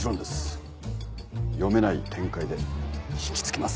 読めない展開で引きつけます。